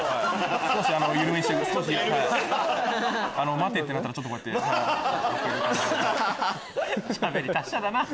待て！ってなったらちょっとこうやって。